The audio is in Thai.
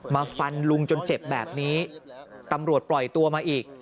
มาฟันลุงจนเจ็บแบบนี้ตำรวจปล่อยตัวมาอีก